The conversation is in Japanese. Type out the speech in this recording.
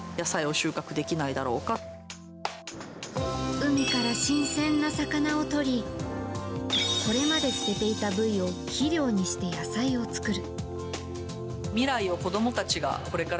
海から新鮮な魚をとりこれまで捨てていた部位を肥料にして、野菜を作る。